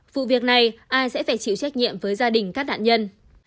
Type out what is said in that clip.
vụ việc này ai sẽ phải chịu trách nhiệm với gia đình các nạn nhân